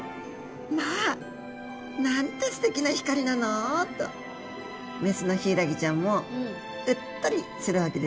「まあなんてすてきな光なの」とメスのヒイラギちゃんもうっとりするわけですね。